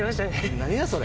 何やそれ。